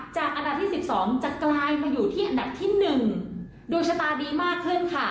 จากอันดับที่สิบสองจะกลายมาอยู่ที่อันดับที่หนึ่งดวงชะตาดีมากขึ้นค่ะ